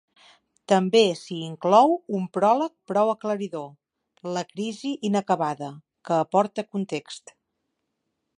També s’hi inclou un pròleg prou aclaridor, ‘La crisi inacabada’ que aporta context.